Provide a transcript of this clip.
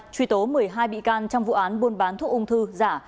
truy tố một mươi hai bị can trong vụ án buôn bán thuốc ung thư giả